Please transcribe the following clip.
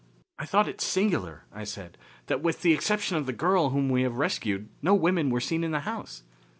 "I thought it singular," I said, "that with the exception of the girl whom we have rescued no women were seen in the house.